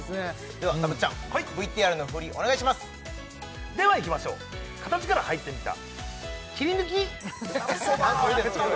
ではたぶっちゃんＶＴＲのふりお願いしますではいきましょう「形から入ってみた」